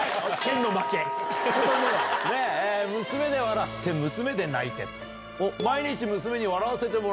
「娘で笑って娘で泣いて」。